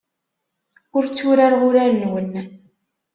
Ur tturareɣ urar-nwen.